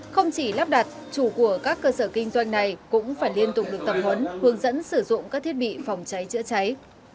không chỉ lắp đặt chủ của các cơ sở kinh doanh này cũng phải liên tục được tập huấn hướng dẫn sử dụng các thiết bị phòng cháy chữa cháy